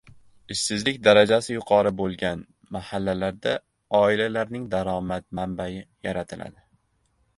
Ishsizlik darajasi yuqori bo‘lgan mahallalarda oilalarning daromad manbai yaratiladi